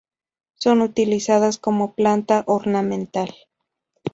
Son utilizadas como planta ornamental.